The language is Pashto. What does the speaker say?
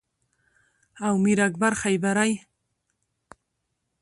او میر اکبر خیبری